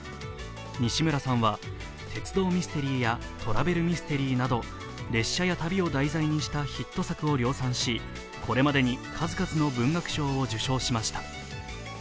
西村さんは、鉄道ミステリーやトラベルミステリーなど列車や旅を題材にしたヒット作を量産しこれまでに数々の文学賞を受賞しました。